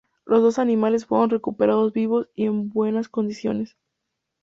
Los dos animales fueron recuperados vivos y en buenas condiciones.